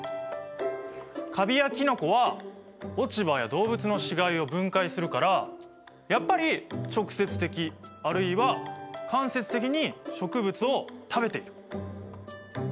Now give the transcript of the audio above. カビやキノコは落ち葉や動物の死骸を分解するからやっぱり直接的あるいは間接的に植物を食べている。